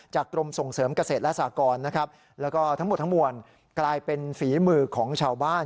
กรมส่งเสริมเกษตรและสากรนะครับแล้วก็ทั้งหมดทั้งมวลกลายเป็นฝีมือของชาวบ้าน